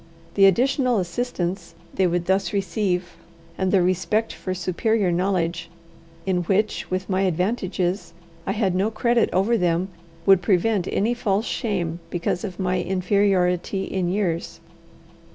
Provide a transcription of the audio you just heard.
The additional assistance they would thus receive, and their respect for superior knowledge, in which, with my advantages, I had no credit over them, would prevent any false shame because of my inferiority in years.